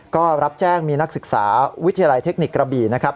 ก็รับแจ้งมีนักศึกษาวิทยาลัยเทคนิคกระบี่นะครับ